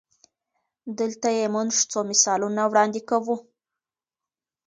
چې دلته ئې مونږ څو مثالونه وړاندې کوو-